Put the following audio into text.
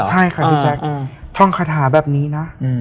ใช่ค่ะพี่แจ๊คท่องคาถาแบบนี้นะ